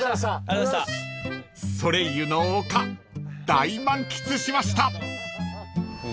［ソレイユの丘大満喫しました］